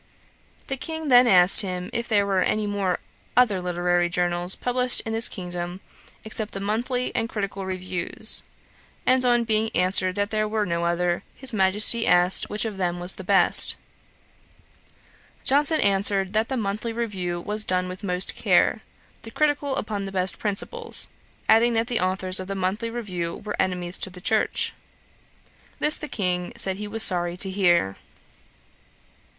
The King then asked him if there were any other literary journals published in this kingdom, except the Monthly and Critical Reviews; and on being answered there were no other, his Majesty asked which of them was the best: Johnson answered, that the Monthly Review was done with most care, the Critical upon the best principles; adding that the authours of the Monthly Review were enemies to the Church. This the King said he was sorry to hear.